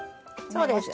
そうです。